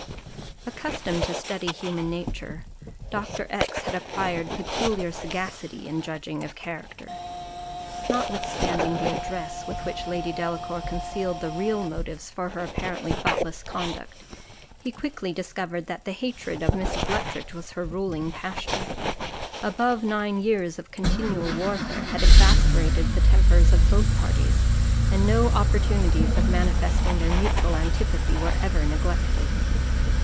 Accustomed to study human nature, Dr. X had acquired peculiar sagacity in judging of character. Notwithstanding the address with which Lady Delacour concealed the real motives for her apparently thoughtless conduct, he quickly discovered that the hatred of Mrs. Luttridge was her ruling passion. Above nine years of continual warfare had exasperated the tempers of both parties, and no opportunities of manifesting their mutual antipathy were ever neglected.